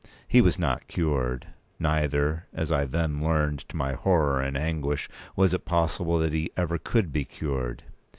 He was not cured; neither, as I then learned to my horror and anguish, was it possible that he ever could be cured.